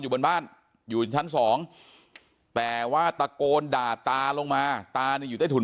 อยู่บนบ้านอยู่ชั้น๒แต่ว่าตะโกนด่าตาลงมาตาอยู่ใต้ถุน